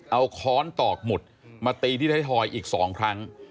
เอาค้อนตอกหมุดมาตีที่ไทยทอยอีก๒ครั้ง